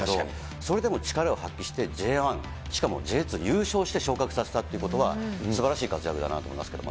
それでも力を発揮して、Ｊ１、しかもＪ２優勝して、昇格させたということは、すばらしい活躍だなと思いますけどね。